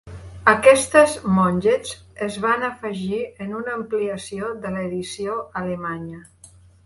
Aquestes mongets es van afegir en una ampliació de l'edició alemanya.